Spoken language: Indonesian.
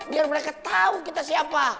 biar mereka tahu kita siapa